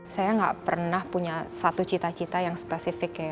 saya nggak pernah punya satu cita cita yang spesifik ya